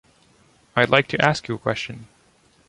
I’d like to ask you a question!